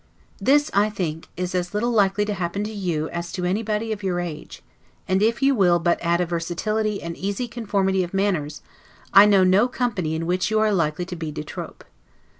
This, I think, is as little likely to happen to you as to anybody of your age: and if you will but add a versatility and easy conformity of manners, I know no company in which you are likely to be de trop.